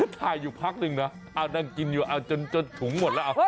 ถ่ายอยู่พักนึงนะนั่งกินอยู่เอาจนถุงหมดแล้ว